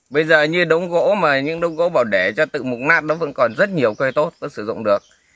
bây giờ như đống gỗ mà những đống gỗ bảo để cho tự mục nát nó vẫn còn rất nhiều cây tốt nó sử dụng được